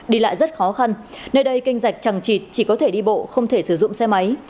đi lại rất khó khăn nơi đây kênh rạch chẳng chịt chỉ có thể đi bộ không thể sử dụng xe máy